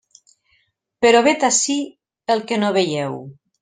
Però vet ací el que no veieu.